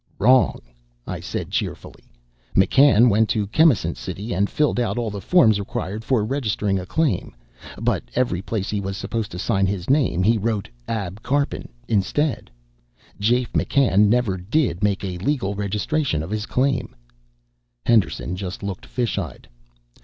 "Wrong," I said cheerfully. "McCann went to Chemisant City and filled out all the forms required for registering a claim. But every place he was supposed to sign his name he wrote Ab Karpin instead. Jafe McCann never did make a legal registration of his claim." Henderson just looked fish eyed.